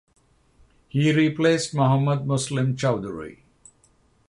He replaced Mohammad Muslim Chowdhury.